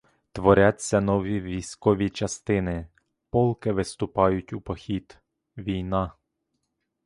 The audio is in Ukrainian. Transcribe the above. Творяться нові військові частини, полки виступають у похід, — війна!